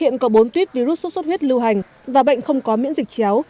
hiện có bốn tuyếp virus sốt xuất huyết lưu hành và bệnh không có miễn dịch chéo